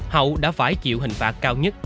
hậu đã phải chịu hình phạt cao nhất